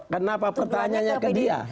kenapa pertanyaannya ke dia